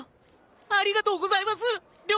ありがとうございます寮長！